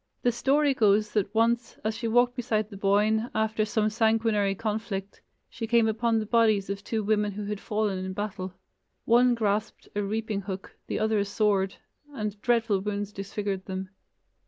The story goes that once, as she walked beside the Boyne, after some sanguinary conflict, she came upon the bodies of two women who had fallen in battle. One grasped a reaping hook, the other a sword, and dreadful wounds disfigured them.